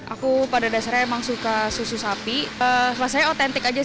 aku pada dasarnya emang suka susu sapi rasanya otentik aja